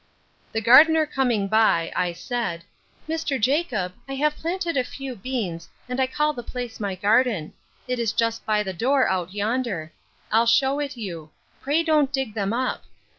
The gardener coming by, I said, Mr. Jacob, I have planted a few beans, and I call the place my garden. It is just by the door out yonder: I'll shew it you; pray don't dig them up.